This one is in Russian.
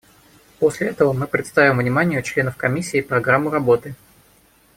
После этого мы представим вниманию членов Комиссии программу работы.